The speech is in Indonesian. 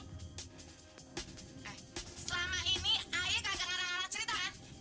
selama ini ae gak ngarah ngarah cerita kan